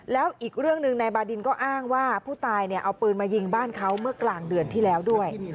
แล้วอีกเรื่องหนึ่งนายบาดินก็อ้างว่าผู้ตายเอาปืนมายิงบ้านเขาเมื่อกลางเดือนที่แล้วด้วย